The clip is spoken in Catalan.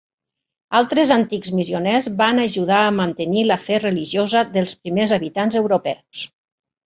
Altres antics missioners van ajudar a mantenir la fe religiosa dels primers habitants europeus.